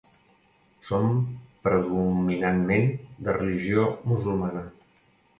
Són predominantment de religió musulmana.